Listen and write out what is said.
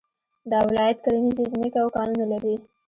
دا ولايت کرنيزې ځمکې او کانونه لري